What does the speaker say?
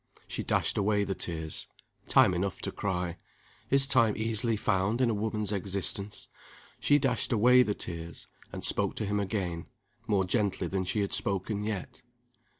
She dashed away the tears time enough to cry, is time easily found in a woman's existence she dashed away the tears, and spoke to him again, more gently than she had spoken yet.